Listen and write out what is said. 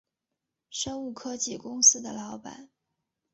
生物科技公司的老板